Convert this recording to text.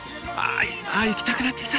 あ行きたくなってきた。